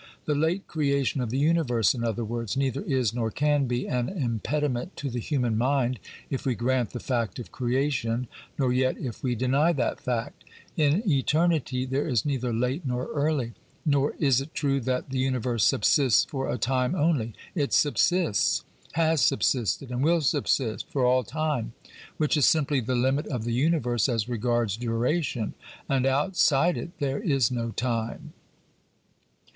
The late creation of the universe, in other words, neither is nor can be an impediment to the human mind if we grant the fact of creation, nor yet if we deny that fact. In eternity there is neither late nor early. Nor is it true that the universe subsists for a time only ; it subsists, has sub sisted and will subsist for all time, which is simply the limit of the universe as regards duration, and outside it there is no time.